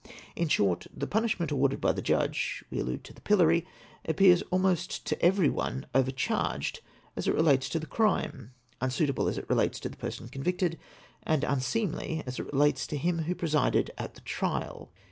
In short, tlie pimishment awarded by the judge (we allude to the pillory) appears almost to everyone over charged, as it relates to the crime, unsuitable as it relates to the person convicted, and unseemly as it relates to him who presided at the trial.